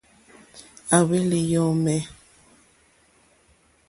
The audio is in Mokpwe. À hwèlì yɔ̀mɛ̀.